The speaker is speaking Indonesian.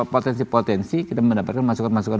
potensi potensi kita mendapatkan masukan masukan